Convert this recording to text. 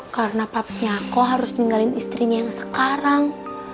karena papsnya aku harus ninggalin istrinya yang sekarang